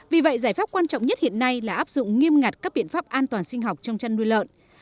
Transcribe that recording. vì vậy giải pháp quan trọng nhất hiện nay là áp dụng nghiêm ngặt các biện pháp an toàn sinh học trong chăn nuôi lợn